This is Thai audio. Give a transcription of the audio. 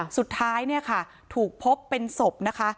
สุดท้ายเนี่ยค่ะถูกพบเป็นศพนะคะ